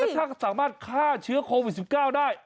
ถ้าสามารถฆ่าเชื้อโควิด๑๙ได้